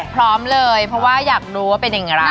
พร้อมเลยเพราะว่าอยากรู้ว่าเป็นอย่างไร